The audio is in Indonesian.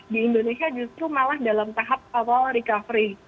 di indonesia justru malah dalam tahap awal recovery